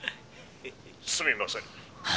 「すみません」。